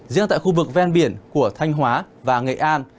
riêng tại khu vực ven biển của thanh hóa và nghệ an